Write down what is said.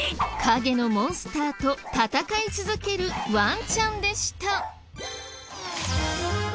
影のモンスターと戦い続けるワンちゃんでした。